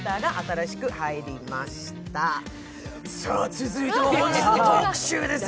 続いては本日の特集です。